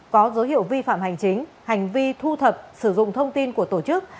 có dấu hiệu vi phạm hành chính hành vi thu thập sử dụng thông tin của tổ chức